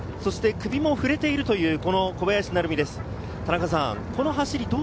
口も開いてきて首も振れているという小林成美です。